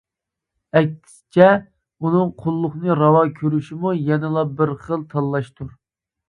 ئەكسىچە، ئۇنىڭ قۇللۇقنى راۋا كۆرۈشىمۇ يەنىلا بىر خىل تاللاشتۇر.